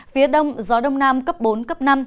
phía đông gió đông nam cấp bốn cấp năm